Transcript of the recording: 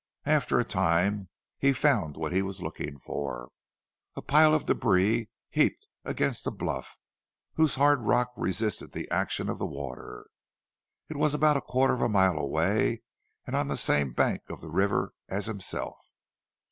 After a time he found what he was looking for a pile of debris heaped against a bluff, whose hard rock resisted the action of the water. It was about a quarter of a mile away and on the same bank of the river as himself.